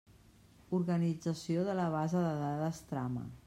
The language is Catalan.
Organització de la base de dades trama.